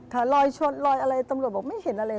รอยชนรอยอะไรตำรวจบอกไม่เห็นอะไรเลย